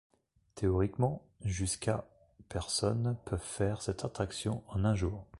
Théoriquement, jusqu'à personnes peuvent faire cette attraction en un jour.